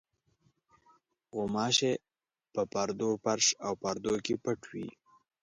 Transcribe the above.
غوماشې په پردو، فرش او پردو کې پټې وي.